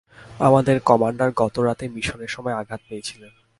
আমাদের কমান্ডার গত রাতে মিশনের সময় আঘাত পেয়েছিলেন।